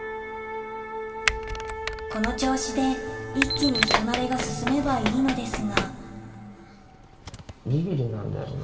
この調子で一気に人なれが進めばいいのですがビビリなんだよな。